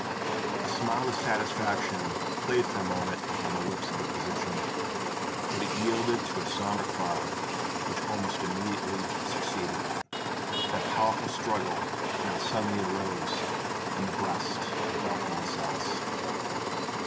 A smile of satisfaction played for a moment upon the lips of the physician; but it yielded to a sombre cloud which almost immediately succeeded it—for a powerful struggle now suddenly arose in the breast of Dr. Lascelles.